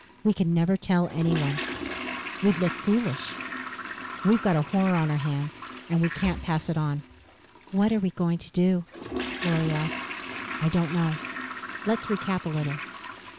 "We can never tell anyone." "We'd look foolish." "We've got a horror on our hands and we can't pass it on." "What are we going to do?" Lorry asked. "I don't know. Let's recap a little.